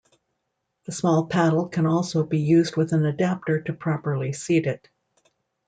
The small paddle can also be used with an adapter to properly seat it.